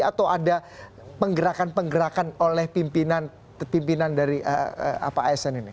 atau ada penggerakan penggerakan oleh pimpinan dari asn ini